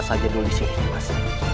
saja dulu disini mas